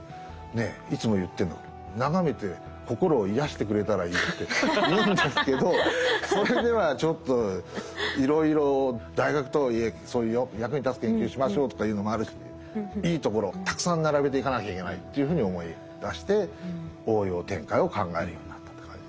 いつも言ってるのがって言うんですけどそれではちょっといろいろ大学とはいえそういう役に立つ研究しましょうとかいうのもあるしいいところをたくさん並べていかなきゃいけないっていうふうに思いだして応用展開を考えるようになったって感じで。